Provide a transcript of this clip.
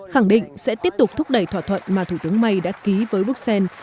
khẳng định sẽ tiếp tục thúc đẩy thỏa thuận mà thủ tướng may đã ký với bruxelles